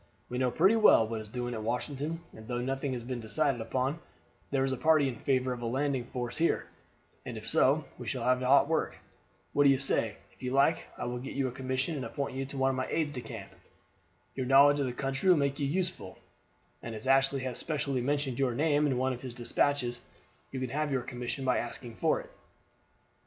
"We know pretty well what is doing at Washington, and though nothing has been decided upon, there is a party in favor of a landing in force here; and if so, we shall have hot work. What do you say? If you like I will get you a commission and appoint you one of my aides de camp. Your knowledge of the country will make you useful, and as Ashley has specially mentioned your name in one of his despatches, you can have your commission by asking for it.